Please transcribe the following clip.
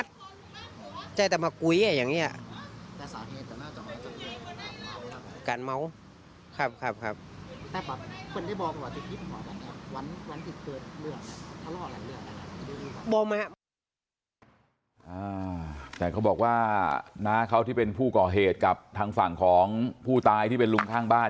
แต่เขาบอกว่าน้าเขาที่เป็นผู้ก่อเหตุกับทางฝั่งของผู้ตายที่เป็นลุงข้างบ้าน